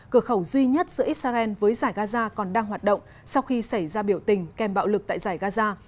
cửa khẩu duy nhất giữa israel với giải gaza còn đang hoạt động sau khi xảy ra biểu tình kèm bạo lực tại giải gaza